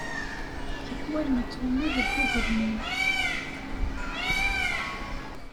Tikkwal, nettɛumu deg ugelmim.